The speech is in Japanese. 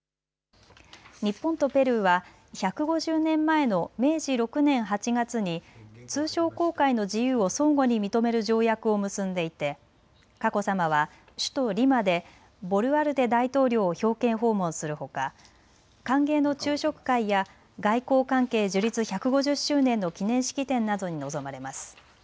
日本とペルーは１５０年前の明治６年８月に通商航海の自由を相互に認める条約を結んでいて佳子さまは首都リマでボルアルテ大統領を表敬訪問するほか、歓迎の昼食会や外交関係樹立１５０周年の記念式典などに臨まれます。